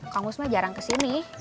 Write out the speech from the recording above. kang mus mah jarang kesini